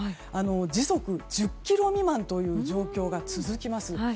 時速１０キロ未満という状況が続きます。